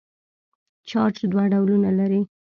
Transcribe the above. چارج دوه ډولونه لري.